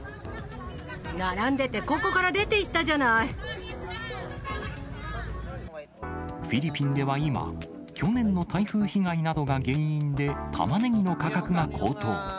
並んでて、フィリピンでは今、去年の台風被害などが原因で、タマネギの価格が高騰。